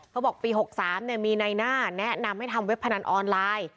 เขาบอกปี๖๓มีในหน้าแนะนำให้ทำเว็บพนันออนไลน์